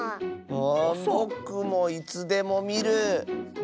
あぼくもいつでもみる。